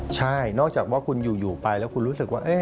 ใช่นอกจากว่าคุณอยู่ไปแล้วคุณรู้สึกว่า